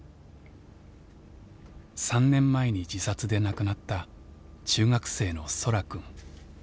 ３年前に自殺で亡くなった中学生のそらくん。